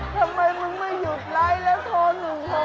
ทำไมมึงไม่หยุดไลค์แล้วโทร๑โทร